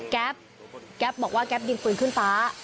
แก๊ปแก๊ปบอกว่าแก๊ปดินปืนขึ้นป่า